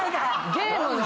ゲームの。